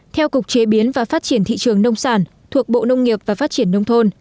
theo cục chế biến và phát triển thị trường nông sản thuộc bộ nông nghiệp và phát triển nông thôn